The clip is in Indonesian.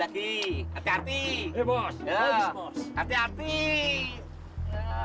sekarang aku tahu caranya untuk menggagalkan rejana mereka